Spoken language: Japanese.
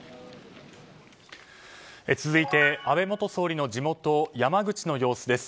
続いて安倍元総理の地元山口の様子です。